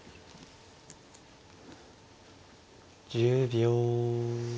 １０秒。